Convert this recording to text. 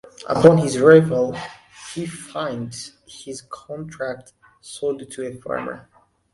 Upon his arrival, he finds his contract sold to a farmer.